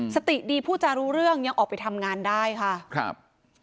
สติดีผู้จารู้เรื่องยังออกไปทำงานได้ค่ะครับ